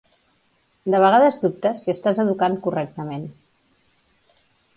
De vegades dubtes si estàs educant correctament.